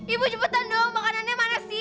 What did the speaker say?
ibu cepetan dong makanannya mana sih